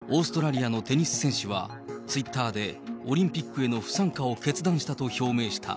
さらに、オーストラリアのテニス選手は、ツイッターでオリンピックへの不参加を決断したと表明した。